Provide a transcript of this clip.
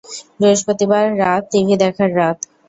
বৃহস্পতিবার রাত টিভি দেখার রাত।